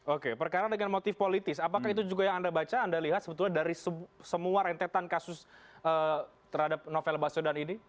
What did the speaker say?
oke perkara dengan motif politis apakah itu juga yang anda baca anda lihat sebetulnya dari semua rentetan kasus terhadap novel baswedan ini